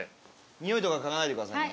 においとか嗅がないでくださいね。